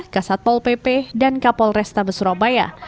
kasatpol pp dan kapol restabes surabaya